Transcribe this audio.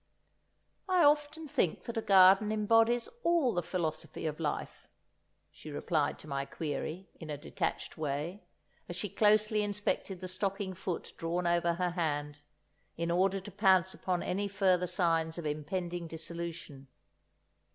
"I often think that a garden embodies all the philosophy of life," she replied to my query, in a detached way, as she closely inspected the stocking foot drawn over her hand, in order to pounce upon any further signs of impending dissolution.